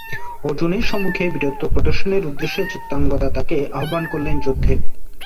অর্জুনের সম্মুখে বীরত্ব প্রদর্শনের উদ্দেশ্যে চিত্রাঙ্গদা তাঁকে আহ্বান করলেন যুদ্ধে।